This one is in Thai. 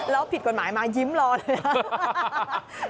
เราผิดความหมายมายิ้มรอเลยนะ